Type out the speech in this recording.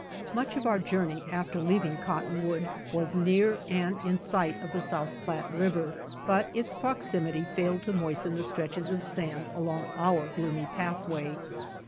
Much of our journey after leaving Cottonwood was near and in siglit of the South Platte river, but its proximity failed to moisten the stretches of sand along our gloomy pathway.